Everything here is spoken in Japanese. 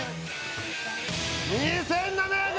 ２７００！